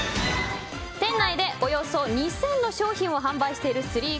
店内で、およそ２０００の商品を販売している３ＣＯＩＳ。